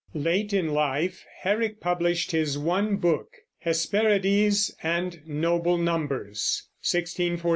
Late in life Herrick published his one book, Hesperides and Noble Numbers (1648).